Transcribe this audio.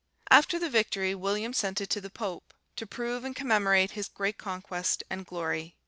After the victory, William sent it to the Pope, to prove and commemorate his great conquest and glory.